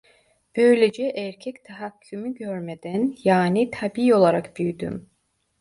Böylece erkek tahakkümü görmeden, yani tabii olarak büyüdüm.